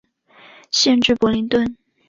县治伯灵顿。